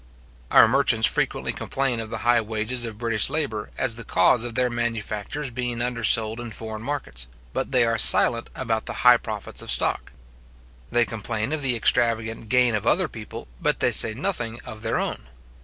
Our merchants frequently complain of the high wages of British labour, as the cause of their manufactures being undersold in foreign markets; but they are silent about the high profits of stock. They complain of the extravagant gain of other people; but they say nothing of their own.